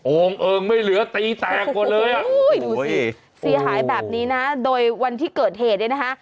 เอิงไม่เหลือตีแตกหมดเลยอ่ะดูสิเสียหายแบบนี้นะโดยวันที่เกิดเหตุเนี่ยนะคะ